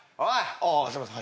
あっすいません。